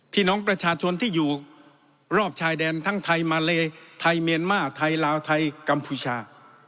พี่น้องประชาชนที่อยู่รอบชายแดนทั้งไทยมาเลไทยเมียนมาร์ไทยลาวไทยกัมพูชา